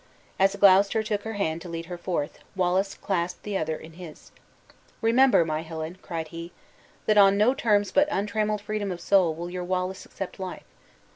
As Gloucester took her hand to lead her forth, Wallace clasped the other in his. "Remember, my Helen," cried he, "that on no terms but untrammeled freedom of soul, will your Wallace accept of life.